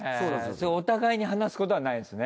それお互いに話すことはないんですね？